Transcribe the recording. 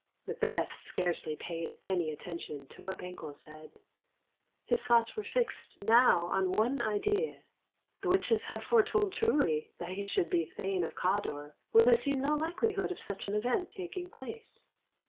Macbeth scarcely paid any attention to what Banquo said. His thoughts were fixed now on one idea. The witches had foretold truly that he should be Thane of Cawdor when there seemed no likelihood of such an event taking place.